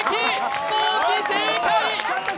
飛行機、正解！